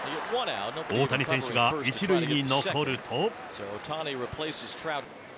大谷選手が１塁に残ると。